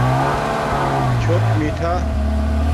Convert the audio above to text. چھݸت میٹھہ